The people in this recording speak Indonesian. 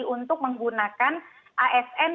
untuk menggunakan asn